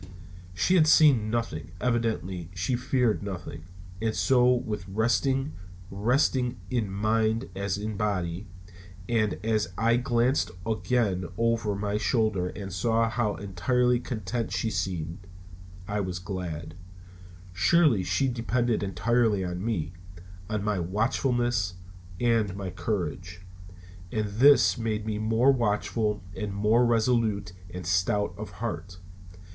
She had seen nothing; evidently she feared nothing, and so was resting, resting in mind as in body. And as I glanced again over my shoulder and saw how entirely content she seemed, I was glad. Surely she depended entirely on me; on my watchfulness and my courage. And this made me more watchful and more resolute and stout of heart.